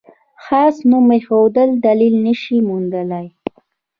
خاص نوم ایښودل دلیل نه شي موندلای.